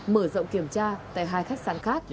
mở rộng kiểm tra tại hai khách sạn khác